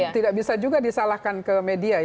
tidak bisa juga disalahkan ke media